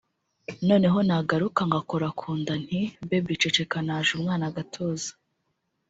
noneho nagaruka ngakora ku nda nti baby ceceka naje umwana agatuza”